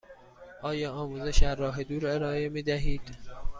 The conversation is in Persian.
آیا آموزش از راه دور ارائه می دهید؟